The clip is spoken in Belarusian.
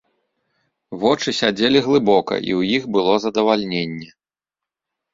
Вочы сядзелі глыбока, і ў іх было задавальненне.